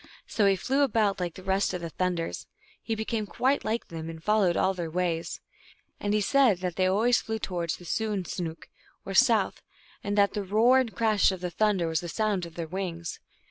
So he flew about like the rest of the Thunders ; he became quite like them, and fol lowed all their ways. And he said that they always flew towards the sou ri snook, or, south, and that the roar and crash of the thunder was the sound of their wings.